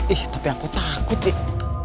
ih tapi aku takut ya